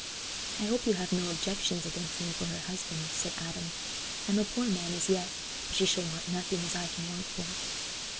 "I hope you have no objections against me for her husband," said Adam; "I'm a poor man as yet, but she shall want nothing as I can work for."